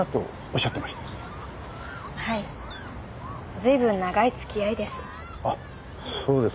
随分長い付き合いです。